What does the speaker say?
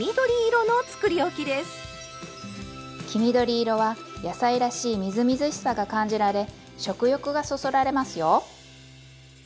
黄緑色は野菜らしいみずみずしさが感じられ食欲がそそられますよ！